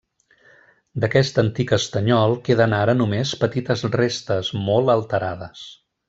D'aquest antic estanyol queden ara només petites restes, molt alterades.